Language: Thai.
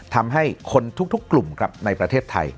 ทำให้คนทุกกลุ่มครับในประเทศไทย